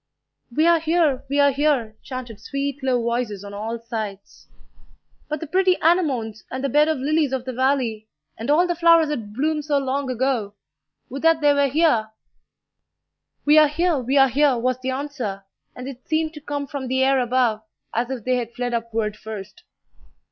"We are here! we are here!" chanted sweet low voices on all sides. "But the pretty anemones, and the bed of lilies of the valley, and all the flowers that bloomed so long ago, would that they were here!" "We are here! we are here!" was the answer, and it seemed to come from the air above, as if they had fled upward first.